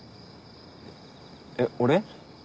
えっ俺？